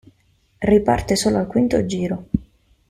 Riparte solo al quinto giro.